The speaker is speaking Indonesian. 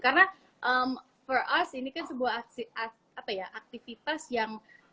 karena untuk kita ini kan sebuah aktivitas yang